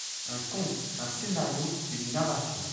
Un conte, un scénario, une narration.